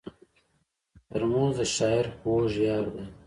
ترموز د شاعر خوږ یار دی.